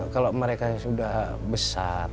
kalau mereka sudah besar